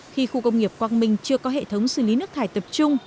khi khu công nghiệp quang minh chưa có hệ thống xử lý nước thải tập trung